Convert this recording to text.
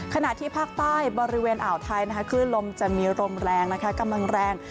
ขณะที่ภาคใต้บริเวณอ่าวไทยคลื่นลมจะมีลมแรงกำลังแรง